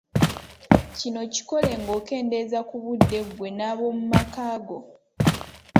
Kino kikole ng’okeendeeza ku budde ggwe n’ab’omu makaago.